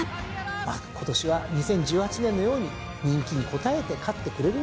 まあ今年は２０１８年のように人気に応えて勝ってくれるんではないか。